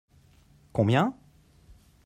Combien ?